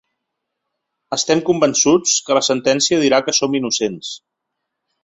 Estem convençuts que la sentència dirà que som innocents.